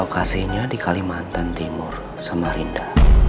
lokasinya di kalimantan timur samarinda